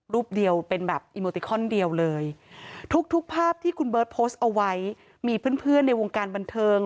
เดียวเป็นแบบอีโมติคอนเดียวเลยทุกทุกภาพที่คุณเบิร์ตโพสต์เอาไว้มีเพื่อนเพื่อนในวงการบันเทิง